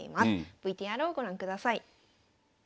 ＶＴＲをご覧ください。